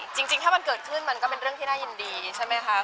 จริงถ้ามันเกิดขึ้นมันก็เป็นเรื่องที่น่ายินดีใช่ไหมคะ